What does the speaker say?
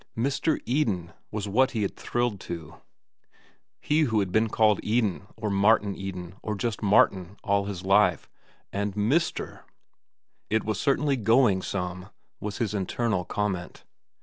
"Mr. Eden," was what he had thrilled to—he who had been called "Eden," or "Martin Eden," or just "Martin," all his life. And "Mister!" It was certainly going some, was his internal comment.